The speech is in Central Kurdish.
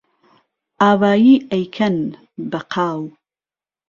ئاوایی ئەیکەن بە قاو